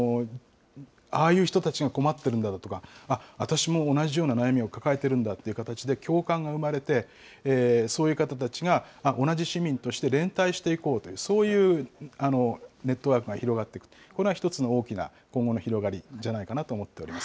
ああいう人たちが困ってるんだろうとか、私も同じような悩みを抱えてるんだという形で共感が生まれて、そういう方たちが同じ市民として連帯していこうという、そういうネットワークが広がっていく、これが１つの大きな今後の広がりじゃないかなと思っております。